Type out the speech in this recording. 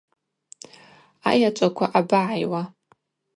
Айачӏваква абагӏайуа?